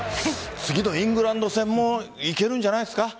次のイングランド戦もいけるんじゃないですか。